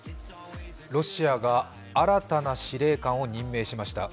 ロシアが新たな司令官を任命しました。